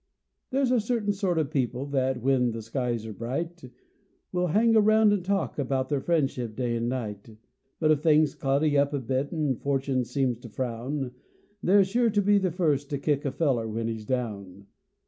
There's a cert'in sort o' people thet, when th' skies 're bright, Will hang around 'nd talk about their friendship day 'nd night; But if things cloudy up a bit 'nd fortune seems t' frown, They're sure t' be th' first t' kick a feller when he's down.